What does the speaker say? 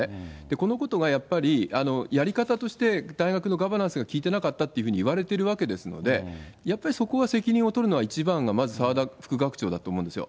このことがやっぱり、やり方として大学のガバナンスが効いてなかったというふうに言われているわけですので、やっぱりそこは責任を取るのは一番がまず澤田副学長だと思うんですよ。